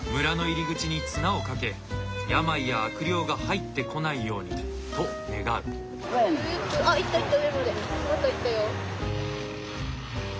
村の入り口に綱をかけ病や悪霊が入ってこないようにと願う。